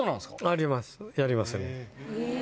ありますやりますね